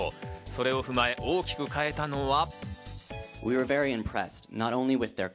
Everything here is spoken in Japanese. それを踏まえ大きく変えたのは。